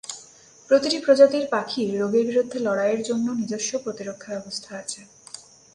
প্রতিটি প্রজাতির পাখির রোগের বিরুদ্ধে লড়াইয়ের জন্য নিজস্ব প্রতিরক্ষা ব্যবস্থা আছে।